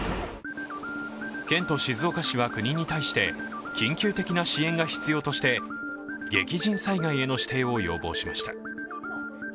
県と静岡市は国に対して緊急的な支援が必要として激甚災害への指定を要望しました。